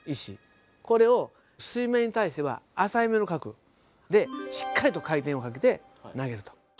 これを水面に対しては浅いめの角度でしっかり回転をかけて投げると。